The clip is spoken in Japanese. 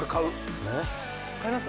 買います？